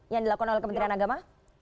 yang dilakukan oleh kementerian agama